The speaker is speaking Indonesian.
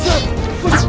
cara yang didirinya itu